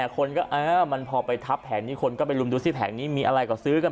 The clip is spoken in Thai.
คนก็เออมันพอไปทับแผงนี้คนก็ไปลุมดูสิแผงนี้มีอะไรก็ซื้อกัน